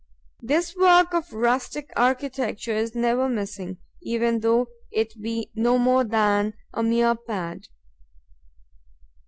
This work of rustic architecture is never missing, even though it be no more than a mere pad.